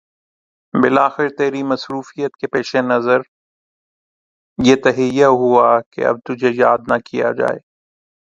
بالآخر تیری مصروفیت کے پیش نظریہ تہہ ہوا کے اب تجھے یاد نہ کیا جائے